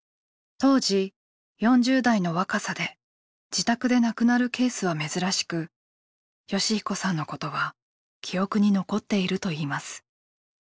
当時４０代の若さで自宅で亡くなるケースは珍しく善彦さんのことは記憶に残っているといいます。